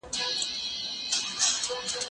زه به سبا ږغ واورم؟!